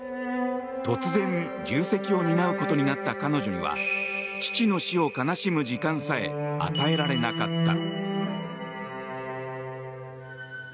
突然、重責を担うことになった彼女には父の死を悲しむ時間さえ与えられなかった。